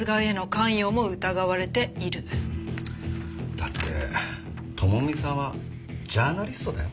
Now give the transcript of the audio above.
だって朋美さんはジャーナリストだよ。